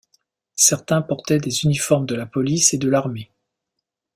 Certains portaient des uniformes de la police et de l'armée.